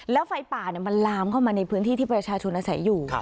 แล้วไฟป่ามันลามเข้ามาในพื้นที่ที่ประชาชนอาศัยอยู่